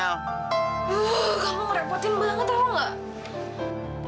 kamu ngerepotin banget tau gak